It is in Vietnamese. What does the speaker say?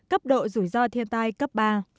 cấp độ rủi ro thiên tai cấp ba